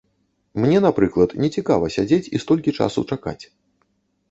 Мне, напрыклад, не цікава сядзець і столькі часу чакаць.